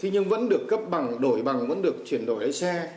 nhưng vẫn được cấp bằng đổi bằng vẫn được chuyển đổi lấy xe